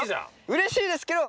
うれしいですけど。